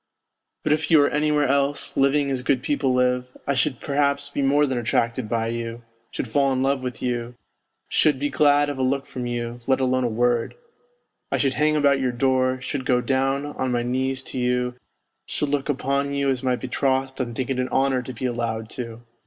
But if you were anywhere else, living as good people live, I should perhaps be more than attracted by you, should fall in love with you, should be glad of a look from you, let alone a word; I should hang about your door, should go down on my knees to you, should look upon you as my be trothed and think it an honour to be allowed to.